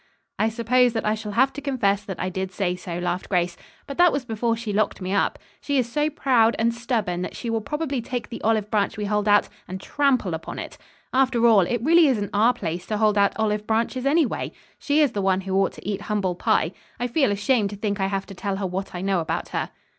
"I suppose that I shall have to confess that I did say so," laughed Grace. "But that was before she locked me up. She is so proud and stubborn that she will probably take the olive branch we hold out and trample upon it. After all, it really isn't our place to hold out olive branches anyway. She is the one who ought to eat humble pie. I feel ashamed to think I have to tell her what I know about her."